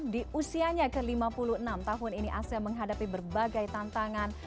di usianya ke lima puluh enam tahun ini asean menghadapi berbagai tantangan